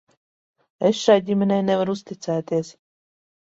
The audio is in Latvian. Es šai ģimenei nevaru uzticēties.